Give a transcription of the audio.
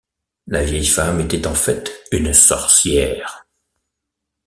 La vieille femme était en fait une sorcière.